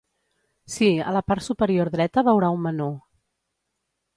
Si, a la part superior dreta veurà un menú.